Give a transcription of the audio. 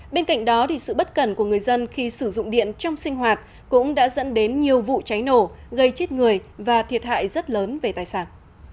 bên cạnh đó sự bất cần của người dân khi sử dụng điện trong sinh hoạt cũng đã dẫn đến nhiều vụ cháy nổ gây chết người và thiệt hại rất lớn về tài sản